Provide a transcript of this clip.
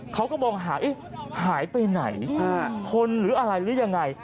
เขาก็มองหาหายไปไหนคนหรืออะไรหรือยังไง